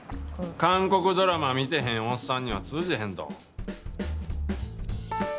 韓国ドラマ見てへんおっさんには通じへんぞ。